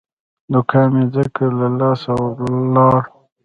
دوکان مې ځکه له لاسه لاړ.